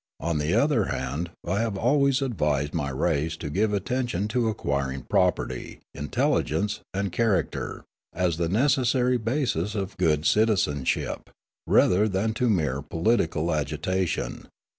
On the other hand, I have always advised my race to give attention to acquiring property, intelligence, and character, as the necessary bases of good citizenship, rather than to mere political agitation.